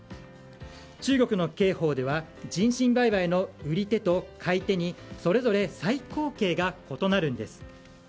中国の刑法では人身売買の売り手と買い手にそれぞれ最高刑が異なるんです。